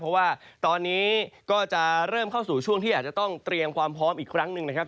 เพราะว่าตอนนี้ก็จะเริ่มเข้าสู่ช่วงที่อาจจะต้องเตรียมความพร้อมอีกครั้งหนึ่งนะครับ